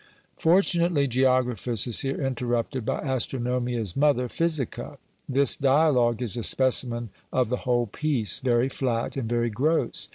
Fortunately Geographus is here interrupted by Astronomia's mother Physica. This dialogue is a specimen of the whole piece: very flat, and very gross.